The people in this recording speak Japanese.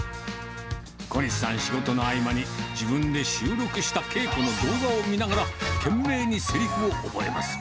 小西さん、仕事の合間に、自分で収録した稽古の動画を見ながら、懸命にせりふを覚えます。